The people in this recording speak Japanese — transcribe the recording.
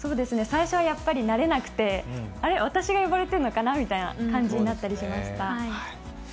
最初は慣れなくて、あれ、私が呼ばれているのかなみたいな感じになったりしました。